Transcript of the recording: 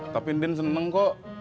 tapi din seneng kok